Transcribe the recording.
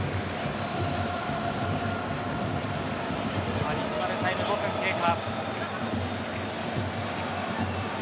アディショナルタイム５分経過。